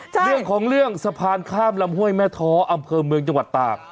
เรื่องของเรื่องสะพานข้ามลำห้วยแม่ท้ออำเภอเมืองจังหวัดตาก